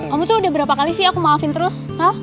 kamu tuh udah berapa kali sih aku maafin terus